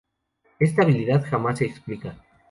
Esta habilidad jamás se explica.